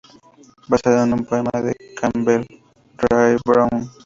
Basada en un poema de Campbell Rae Brown.